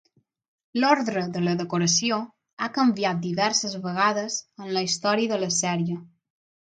L'ordre de la decoració ha canviat diverses vegades en la història de la sèrie.